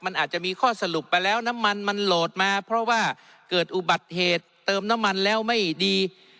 มันอาจจะมีข้อสรุปไปแล้วน้ำมันมันโหลดมาเพราะว่าเกิดอุบัติเหตุเติมน้ำมันแล้วไม่ดี